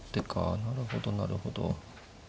なるほどなるほど。